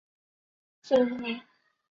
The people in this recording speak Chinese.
最后与定陵侯淳于长关系亲密而免官。